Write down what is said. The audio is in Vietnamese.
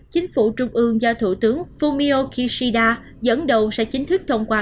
chính phủ trung ương do thủ tướng fumio kishida dẫn đầu sẽ chính thức thông qua